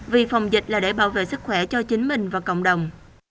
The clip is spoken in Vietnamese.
vì phòng dịch là để bảo vệ sức khỏe cho chính mình và cộng đồng